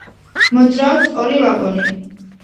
მოძრაობს ორი ვაგონი.